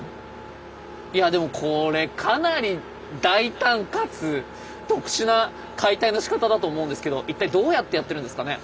いやでもこれかなり大胆かつ特殊な解体のしかただと思うんですけど一体どうやってやってるんですかね。